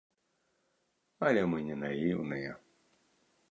Але мы не наіўныя.